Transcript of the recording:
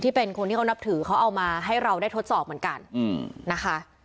เป็นคนที่เขานับถือเขาเอามาให้เราได้ทดสอบเหมือนกันนะคะ